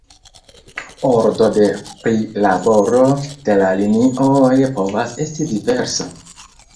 Ordo de prilaboro de la linioj povas esti diversa.